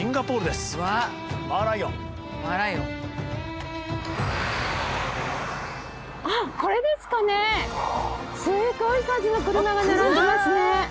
すごい数の車が並んでますね。